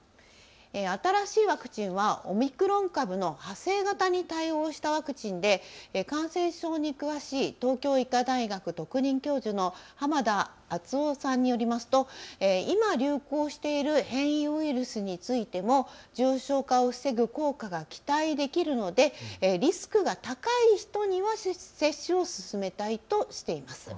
新しいワクチンはオミクロン株の派生型に対応したワクチンで感染症に詳しい東京医科大学特任教授の濱田篤郎さんによりますと今流行している変異ウイルスについても重症化を防ぐ効果が期待できるのでリスクが高い人には接種を勧めたいとしています。